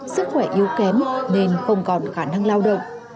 sức khỏe yếu kém nên không còn khả năng lao động